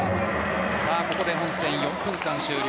さあ、ここで本戦４分間が終了。